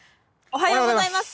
おはようございます！